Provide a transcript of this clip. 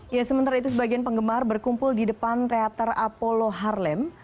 ya sementara itu sebagian penggemar berkumpul di depan teater apolo harlem